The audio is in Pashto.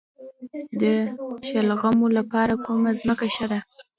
د شلغمو لپاره کومه ځمکه ښه ده؟